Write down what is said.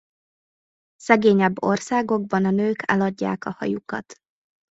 Szegényebb országokban a nők eladják a hajukat.